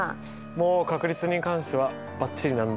もう確率に関してはバッチリなんだ。